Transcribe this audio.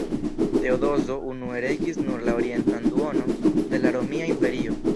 Teodozo unue regis nur la orientan duonon de la romia imperio.